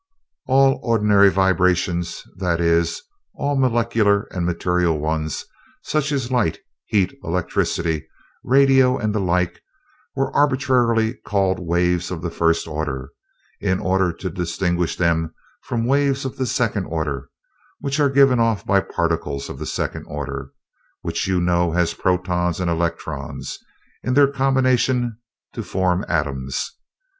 "All ordinary vibrations that is, all molecular and material ones, such as light, heat, electricity, radio, and the like were arbitrarily called waves of the first order; in order to distinguish them from waves of the second order, which are given off by particles of the second order, which you know as protons and electrons, in their combination to form atoms.